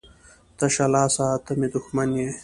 تشه لاسه ته مي دښمن يي.